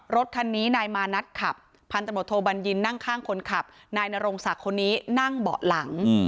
รถคันนี้นายมานัดขับพันตำรวจโทบัญญินนั่งข้างคนขับนายนรงศักดิ์คนนี้นั่งเบาะหลัง